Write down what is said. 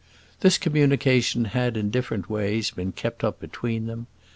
This communication had in different ways been kept up between them.